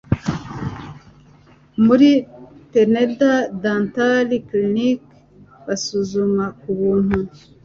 muri Pineda Dental Clinic basuzuma ku buntu